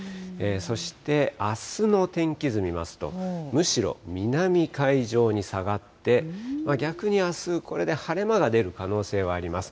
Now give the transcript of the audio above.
そしてあすの天気図を見ますと、むしろ南海上に下がって、逆にあす、これで晴れ間が出る可能性はあります。